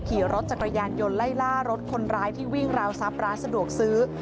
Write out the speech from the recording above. ขี่รถจักรยานยนต์ไล่ล่ารถคนร้ายที่วิ่งราวทรัพย์ร้านสะดวกซื้อ